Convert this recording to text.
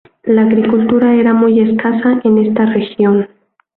La agricultura era muy escasa en esta región.